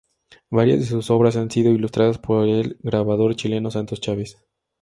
Varias de sus obras han sido ilustradas por el grabador chileno Santos Chávez.